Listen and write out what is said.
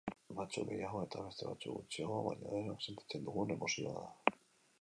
Batzuk gehiago eta beste batzuk gutxiago, baina denok sentitzen dugun emozioa da.